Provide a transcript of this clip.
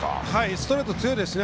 ストレートに強いですね